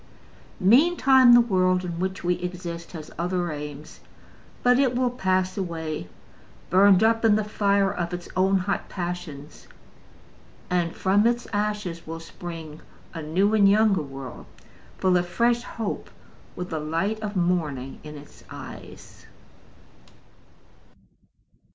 Meantime, the world in which we exist has other aims. But it will pass away, burned up in the fire of its own hot passions; and from its ashes will spring a new and younger world, full of fresh hope, with the light of morning in its eyes.